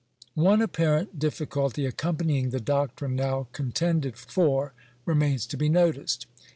One apparent difficulty accompanying the doctrine now contended for remains to be noticed.